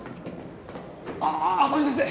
ああ浅見先生